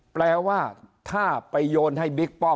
แปลว่าถ้าไปโยนให้บิ๊กป้อม